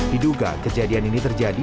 diduga kejadian ini terjadi